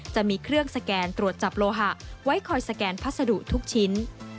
จะมีเครื่องสแกนตรวจจับโลหะไว้คอยสแกนพัสดุทุกชิ้น